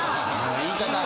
言い方！